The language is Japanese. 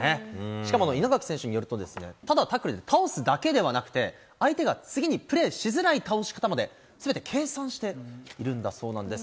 しかも稲垣選手によると、ただタックルで倒すだけではなくて、相手が次にプレーしづらい倒し方まで、すべて計算しているんだそうなんです。